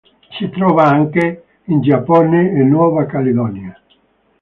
Si trova anche in Giappone e Nuova Caledonia.